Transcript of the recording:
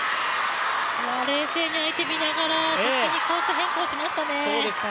冷静に相手見ながらコース変更しましたね。